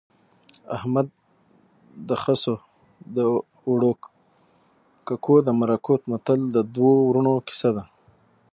احمد د خسو د اوړو ککو د مرکو متل د دوو ورونو کیسه ده